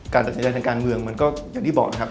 ตัดสินใจทางการเมืองมันก็อย่างที่บอกนะครับ